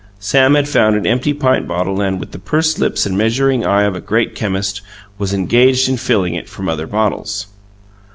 Sam had found an empty pint bottle and, with the pursed lips and measuring eye of a great chemist, was engaged in filling it from other bottles.